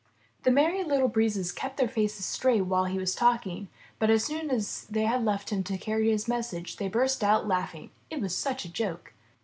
The Merry Little Breezes kept their faces straight while he was talking, but as soon as they had left him to carry his message, they burst out laugh 380 IN THE NURSERY ing. It was such a joke!